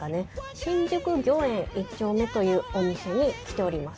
新宿魚縁一丁目というお店に来ております。